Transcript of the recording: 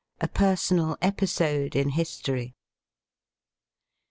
A PERSONAL EPISODE IN HISTORY.